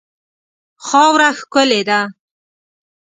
خاوره ښکلې ده.